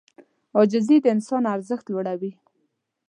عاجزي د انسان ارزښت لوړوي.